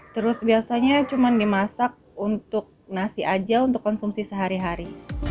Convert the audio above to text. terus biasanya cuma dimasak untuk nasi aja untuk konsumsi sehari hari